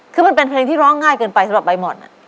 คือมันเป็นเพลงที่ร้องง่ายเกินไปสำหรับใบหม่อน